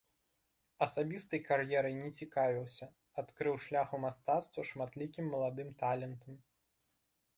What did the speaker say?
Асабістай кар'ерай не цікавіўся, адкрыў шлях у мастацтва шматлікім маладым талентам.